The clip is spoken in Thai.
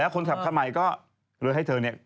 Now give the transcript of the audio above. คนขับไขนมัยก็เริ่มให้เธอ